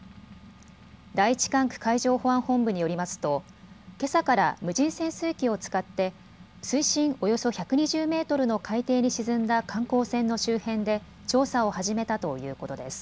第１管区海上保安本部によりますとけさから無人潜水機を使って水深およそ１２０メートルの海底に沈んだ観光船の周辺で調査を始めたということです。